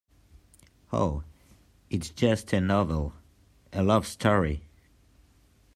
Oh, it's just a novel, a love story.